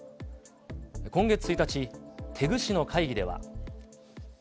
今月１日、テグ市の会議では。